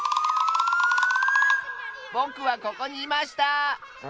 ぼくはここにいました！